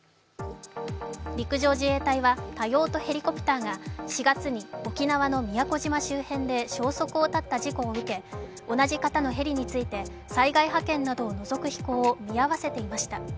陸上自衛隊は多用途ヘリコプターが４月に沖縄の宮古島周辺で消息を絶った事故を受け、同じ型のヘリについて災害派遣などを除く飛行を見合わせていました。